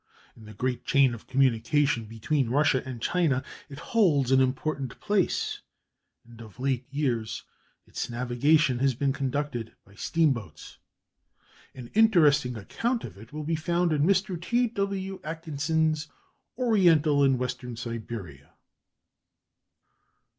In the great chain of communication between Russia and China it holds an important place, and of late years its navigation has been conducted by steamboats. An interesting account of it will be found in Mr. T. W. Atkinson's "Oriental and Western Siberia."